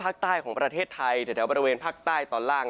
ภาคใต้ของประเทศไทยแถวบริเวณภาคใต้ตอนล่าง